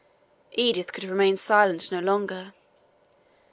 Edith could remain silent no longer.